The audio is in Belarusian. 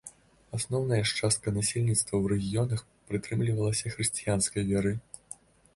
Асноўная ж частка насельніцтва ў рэгіёнах прытрымлівалася хрысціянскай веры.